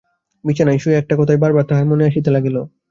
বিছানায় শুইয়া একটা কথাই বার বার তাহার মনে আসিতে লাগিল।